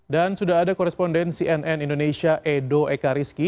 dan sudah ada koresponden cnn indonesia edo eka rizki